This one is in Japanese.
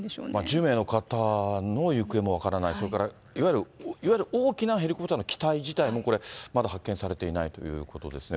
１０名の方の行方も分からない、それから、いわゆる大きなヘリコプターの機体自体も、これ、まだ発見されていないということですね。